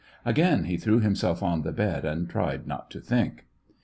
Again he threw himself on the bed, and tried not to think.